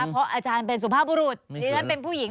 เพราะอาจารย์เป็นสุภาพบุรุษดิฉันเป็นผู้หญิง